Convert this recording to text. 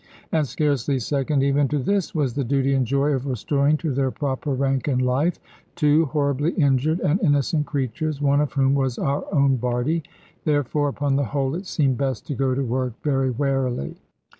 And scarcely second even to this was the duty and joy of restoring to their proper rank in life two horribly injured and innocent creatures, one of whom was our own Bardie. Therefore, upon the whole, it seemed best to go to work very warily.